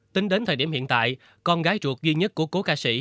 tính đến thời điểm hiện tại con gái ruột duy nhất của cố ca sĩ